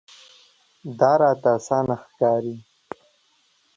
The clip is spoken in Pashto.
دا راته اسانه ښکاري.